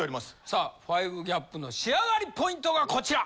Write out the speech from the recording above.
さあ５ＧＡＰの仕上がりポイントがこちら！